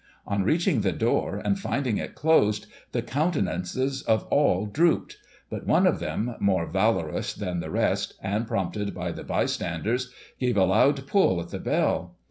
On reaching the door, and finding it closed, the countenances of all drooped ; but one of them, more valorous than the rest, and prompted by the bystanders, gave a loud pull at the bell.